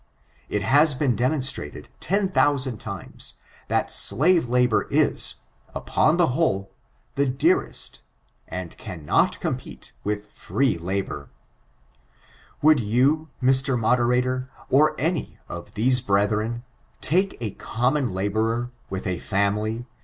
It has been demonstrated ten thousand times, that slave labor is, upon the whole, the dearcsst, and cannot compete with free labor. Would you, Mr. Moderator, or any of these brethren, take a common laborer, with a family. ^^«^^%#«^%^^%^k^k^h# ON ABOLITIONISM.